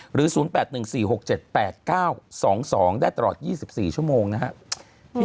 ๐๘๑๔๖๗๘๙๒๒ได้ตลอด๒๔ชั่วโมงนะครับ